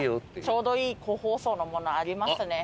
ちょうどいい個包装のものありますね。